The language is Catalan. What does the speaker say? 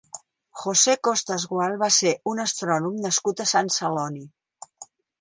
José Costas Gual va ser un astrònom nascut a Sant Celoni.